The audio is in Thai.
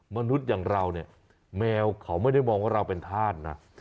มนุษย์อย่างเราเนี่ยแมวเขาไม่ได้มองว่าเราเป็นธาตุนะ